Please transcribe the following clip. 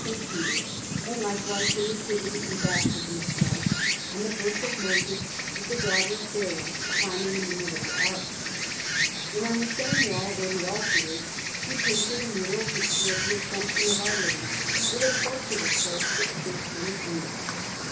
Peter; and likewise the Nativity and Baptism of Christ, and the Birth of Moses, with the daughter of Pharaoh finding him in the little ark. And on the same wall where the altar is he painted a mural picture of the Assumption of Our Lady, with a portrait of Pope Sixtus on his knees.